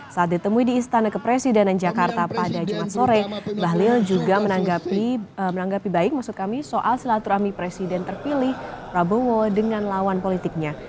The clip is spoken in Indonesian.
saat ditemui di istana kepresidenan jakarta pada jumat sore bahlil juga menanggapi baik maksud kami soal silaturahmi presiden terpilih prabowo dengan lawan politiknya